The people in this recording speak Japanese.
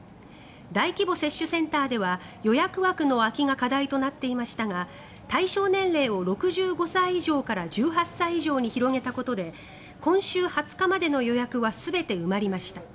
大規模接種センターでは予約枠の空きが課題となっていましたが対象年齢を６５歳以上から１８歳以上に広げたことで今週２０日までの予約は全て埋まりました。